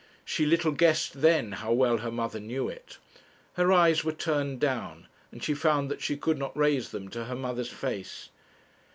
She little guessed then how well her mother knew it. Her eyes were turned down, and she found that she could not raise them to her mother's face.